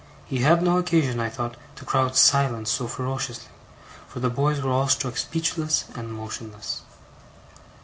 He had no occasion, I thought, to cry out 'Silence!' so ferociously, for the boys were all struck speechless and motionless.